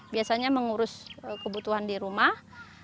biasanya mengurus kebutuhan di rumah